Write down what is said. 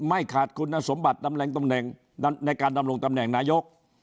ไม่ขาดคุณสมบัติในการนำลงตำแหน่งนายก